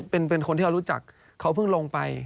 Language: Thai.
เป็นคนที่เขารู้จักเขาเพิ่งลงไป